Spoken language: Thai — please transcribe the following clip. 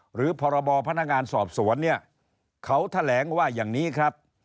พรบพนักงานสอบสวนเนี่ยเขาแถลงว่าอย่างนี้ครับ